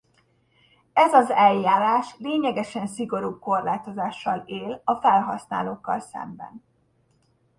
Ez az eljárás lényegesen szigorúbb korlátozással él a felhasználókkal szemben.